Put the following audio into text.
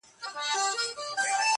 خو بس دا ستا تصوير به كور وران كړو,